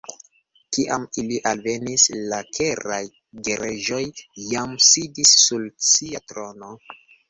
Kiam ili alvenis, la Keraj Gereĝoj jam sidis sur sia trono.